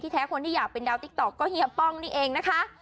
แท้คนที่อยากเป็นดาวติ๊กต๊อกก็เฮียป้องนี่เองนะคะ